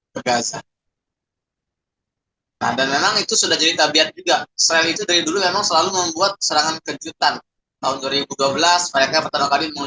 ke gaza dan memang itu sudah jadi tabiat juga selalu membuat serangan kejutan tahun dua ribu dua belas